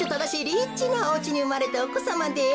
リッチなおうちにうまれたおこさまです。